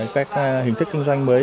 các hình thức kinh doanh mới